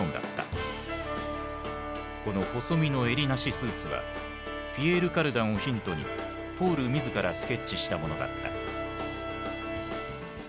この細身の襟なしスーツはピエール・カルダンをヒントにポール自らスケッチしたものだった。